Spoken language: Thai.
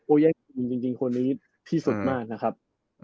โอ้ยแย่งซีนจริงคนนี้ที่สุดมากนะครับ